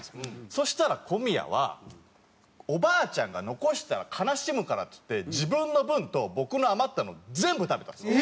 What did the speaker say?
そしたら小宮は「おばあちゃんが残したら悲しむから」っつって自分の分と僕の余ったのを全部食べたんですよ。